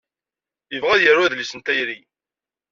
Yebɣa ad yaru adlis n tayri.